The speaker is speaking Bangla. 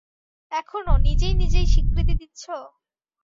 এখনো, নিজেই নিজেই স্বীকৃতি দিচ্ছো?